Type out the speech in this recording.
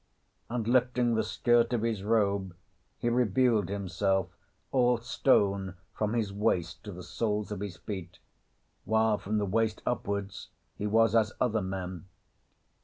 And lifting the skirt of his robe he revealed himself all stone from his waist to the soles of his feet, while from the waist upwards he was as other men.